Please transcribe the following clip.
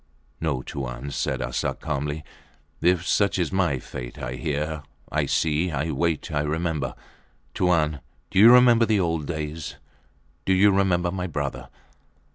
No, Tuan, said Arsat, calmly. If such is my fate. I hear, I see, I wait. I remember ... Tuan, do you remember the old days? Do you remember my brother?